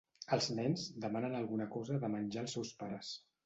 Els nens demanen alguna cosa de menjar als seus pares.